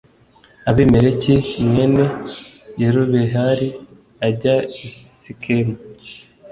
abimeleki, mwene yerubehali, ajya i sikemu